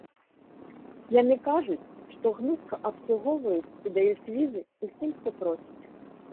Яны кажуць, што гнутка абслугоўваюць і даюць візы ўсім, хто просіць.